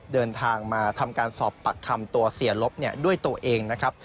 เดินทางมาทำการสอบปรักคำตัวเสียลบนี้ด้วยตัวเอง